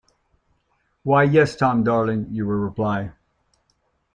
'Why, yes, Tom, darling,' you will reply.